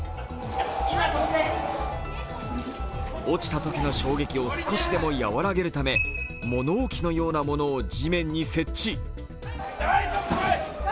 落ちたときの衝撃を少しでも和らげるため物置のようなものを地面に設置。